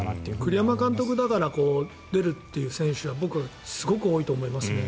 栗山監督だから出るという選手はすごく多いと思いますね。